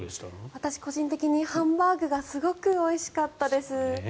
私個人的にハンバーグがすごくおいしかったです。